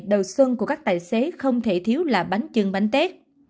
đầu xuân của các tài xế không thể thiếu là bánh chưng bánh tét